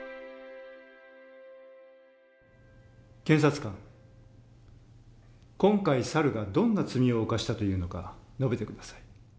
検察官今回猿がどんな罪を犯したというのか述べて下さい。